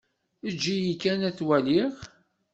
Eǧǧ-iyi kan ad t-waliɣ.